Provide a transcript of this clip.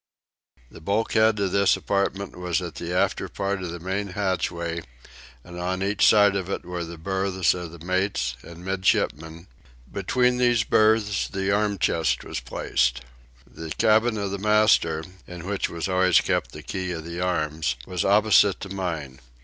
The bulk head of this apartment was at the after part of the main hatchway, and on each side of it were the berths of the mates and midshipmen; between these berths the arm chest was placed. The cabin of the master, in which was always kept the key of the arms, was opposite to mine.